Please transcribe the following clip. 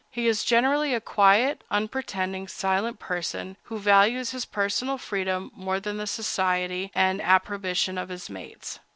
He is generally a quiet, unpretending, silent person, who values his personal freedom more than the society and approbation of his mates.